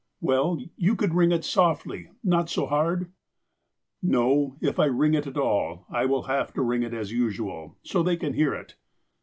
" Well, you could ring it softly, not so hard ?" "No, if I ring it at all, I will have to ring it as usual, so they can hear it."